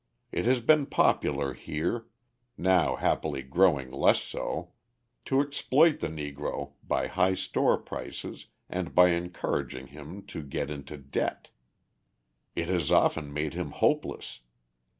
It has been popular here now happily growing less so to exploit the Negro by high store prices and by encouraging him to get into debt. It has often made him hopeless.